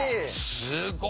すごいな。